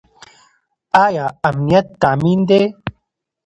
ايا امنيت تامين دی؟